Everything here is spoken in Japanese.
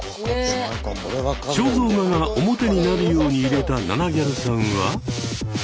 肖像画が表になるように入れたななギャルさんは。